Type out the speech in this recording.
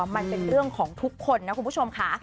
มันเป็นเรื่องของทุกคนนะคุณผู้ชมค่ะ